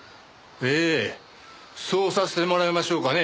ええそうさせてもらいましょうかね